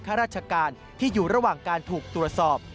ข้าราชการที่อยู่ระหว่างการถูกตรวจสอบ